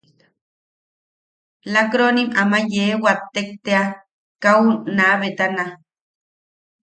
Lakkroonim ama yee wattek tea kau naa betana.